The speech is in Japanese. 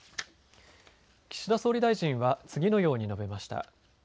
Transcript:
岸田総理大臣は次のように述べました。